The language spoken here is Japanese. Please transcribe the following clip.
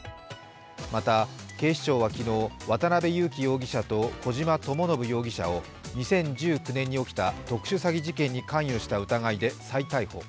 また、警視庁は昨日、渡辺優樹容疑者と小島智信容疑者を２０１９年に起きた特殊詐欺事件に関与した疑いで再逮捕。